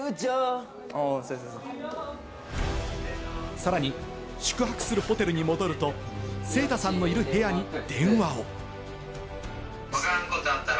さらに宿泊するホテルに戻ると、セイタさんのいる部屋に電話を。